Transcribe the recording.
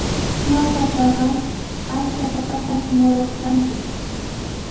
Ñawpaqa achka papatami muruq kanchik.